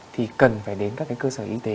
thì cần phải đến các cái cơ sở y tế